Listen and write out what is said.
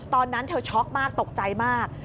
ตอนนั้นเธอช็อกมากตกใจมาก